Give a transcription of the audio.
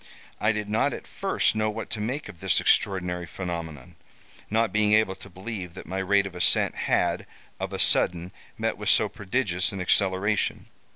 I did not at first know what to make of this extraordinary phenomenon; not being able to believe that my rate of ascent had, of a sudden, met with so prodigious an acceleration.